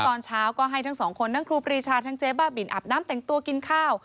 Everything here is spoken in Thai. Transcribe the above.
ตอนเช้าก็ให้ทั้งสองคนทั้งครูปรีชาทั้งเจ๊บ้าบินอาบน้ำแต่งตัวกินข้าว